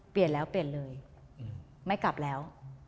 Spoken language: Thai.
เปลี่ยนแล้วเปลี่ยนเลยไม่กลับแล้ว